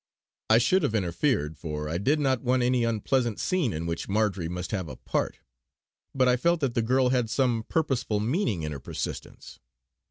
I should have interfered, for I did not want any unpleasant scene in which Marjory must have a part; but I felt that the girl had some purposeful meaning in her persistence.